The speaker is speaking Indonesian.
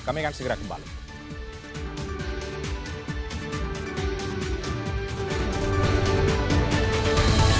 kami akan segera kembali